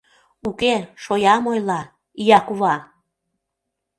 Уке, шоям ойла, ия кува!..